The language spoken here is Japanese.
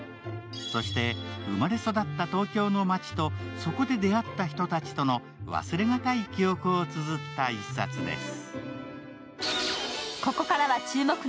そして生まれ育った東京の街とそこで出会った人たちとの忘れがたい記憶をつづった一冊です。